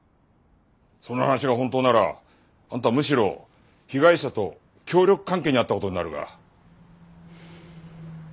その話が本当ならあんたはむしろ被害者と協力関係にあった事になるが。